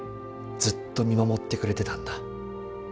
ずっと見守ってくれてたんだ。